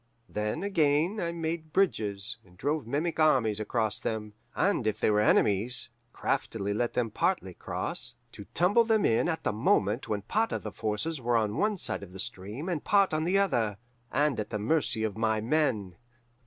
Then, again, I made bridges, and drove mimic armies across them; and if they were enemies, craftily let them partly cross, to tumble them in at the moment when part of the forces were on one side of the stream and part on the other, and at the mercy of my men.